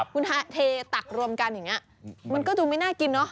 คุณเทตักรวมกันอย่างนี้มันก็ดูไม่น่ากินเนอะ